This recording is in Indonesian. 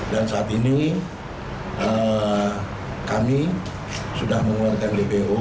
dan saat ini kami sudah mengeluarkan dbo